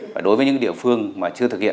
và đối với những địa phương mà chưa thực hiện